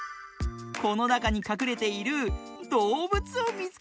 このなかにかくれているどうぶつをみつけてください。